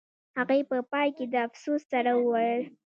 هغې په پای کې د افسوس سره وویل